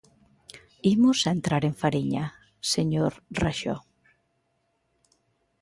Imos entrar en fariña, señor Raxó.